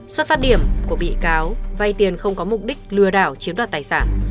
xuất phát điểm của bị cáo vay tiền không có mục đích lừa đảo chiếm đoạt tài sản